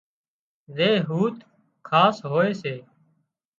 زي هوٿ خاص هوئي سي